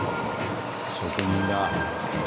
職人だ。